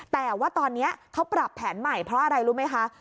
แต่ว่าตอนนี้เขาปรับแผนใหม่เพราะอะไรรู้ไหมคะ